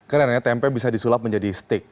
karena tempe bisa disulap menjadi steak